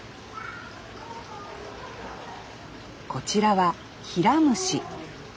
こちらはヒラムシ。